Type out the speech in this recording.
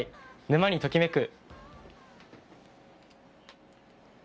「沼にときめく！」。